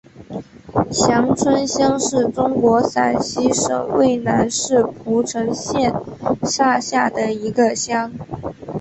翔村乡是中国陕西省渭南市蒲城县下辖的一个乡。